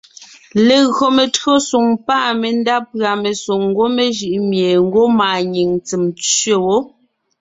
Legÿo metÿǒsoŋ pâ mendá pʉ̀a mesoŋ gwɔ̂ mejʉʼ mie ngwɔ́ maanyìŋ ntsèm tsẅe wó;